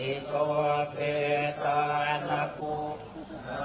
นักโมทรัพย์ภักวะโตอาระโตสัมมาสัมพุทธศาสตร์